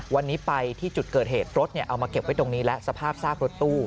วันนี้ไปที่จุดเกิดเหตุรถเอามาเก็บไว้ตรงนี้และสภาพซากรถตู้